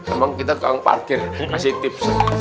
emang kita keang parkir ngekasih tips